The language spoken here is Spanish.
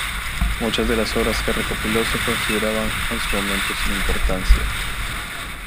Muchas de las obras que recopiló se consideraban en su momento sin importancia.